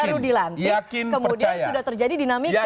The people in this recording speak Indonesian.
kemudian sudah terjadi dinamika